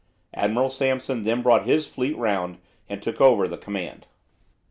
Admiral Sampson then brought his fleet round, and took over the command.